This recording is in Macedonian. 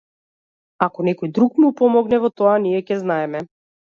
Ако некој друг му помогне во тоа, ние ќе знаеме.